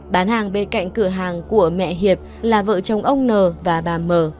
bán hàng bên cạnh cửa hàng của mẹ hiệp là vợ chồng ông n và bà mờ